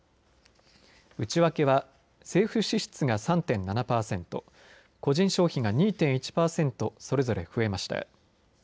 内訳は政府支出が３．７パーセント個人消費が２．１パーセントそれぞれ増えました。